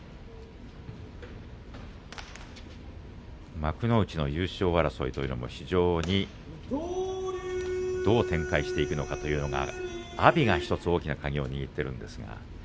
幕内の優勝争いというのもどう展開していくのか阿炎が大きな鍵を握っています。